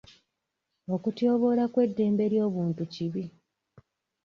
Okutyoboola kw'eddembe ly'obuntu kibi.